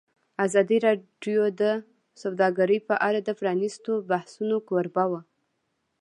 ازادي راډیو د سوداګري په اړه د پرانیستو بحثونو کوربه وه.